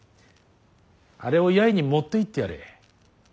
あれを八重に持っていってやれ。